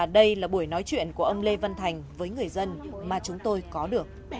đây là buổi nói chuyện của ông lê văn thành với người dân mà chúng tôi có được